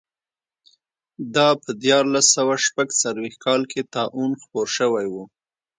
دا په دیارلس سوه شپږ څلوېښت کال کې طاعون خپور شوی و.